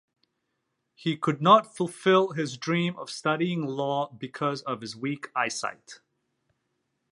He could not fulfill his dream of studying law because of his weak eyesight.